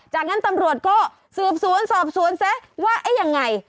จังงั้นตำรวจก็สืบศูนย์สอบศูนย์ว่ายังไง